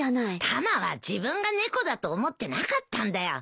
タマは自分が猫だと思ってなかったんだよ。